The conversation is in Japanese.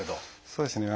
そうですね